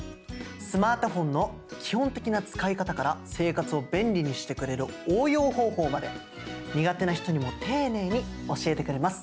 スマートフォンの基本的な使い方から生活を便利にしてくれる応用方法まで苦手な人にも丁寧に教えてくれます。